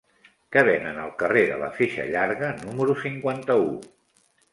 Què venen al carrer de la Feixa Llarga número cinquanta-u?